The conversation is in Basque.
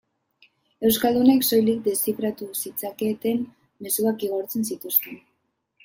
Euskaldunek soilik deszifratu zitzaketen mezuak igortzen zituzten.